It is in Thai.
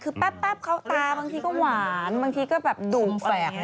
คือปั๊บป้าบเขาตามีก็หวานมีก็หวานมีก็แบบดุมแฝก